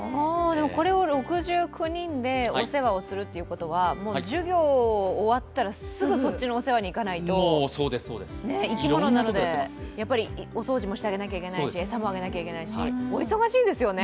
これを６９人でお世話をするということは、授業が終わったらすぐそっちのお世話にいかないとね、生き物なので、お掃除もしてあげなきゃいけないし餌もあげなきゃいけないし、お忙しいですよね。